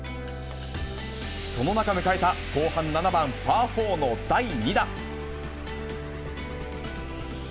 その中迎えた、後半７番パー４の第２打。